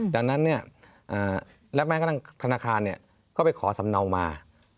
ดังนั้นและแม้กระทั่งธนาคารก็ไปขอสำเนามา